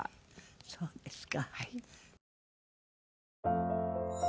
そうですか。